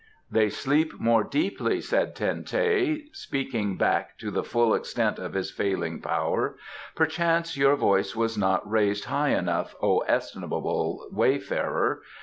"They sleep more deeply," said Ten teh, speaking back to the full extent of his failing power; "perchance your voice was not raised high enough, O estimable wayfarer.